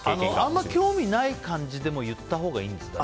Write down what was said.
あんまり興味ない感じでも言ったほうがいいんですか？